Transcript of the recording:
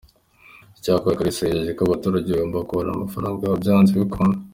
Icyakora Kalisa yijeje ko abaturage bagomba kubona amafaranga yabo byanze bikunze.